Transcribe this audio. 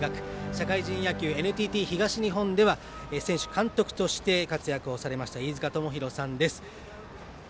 社会人野球ＮＴＴ東日本では選手、監督として活躍をされました飯塚智広さんです。